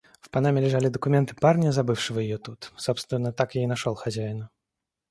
В панаме лежали документы парня, забывшего её тут. Собственно, так я и нашёл хозяина.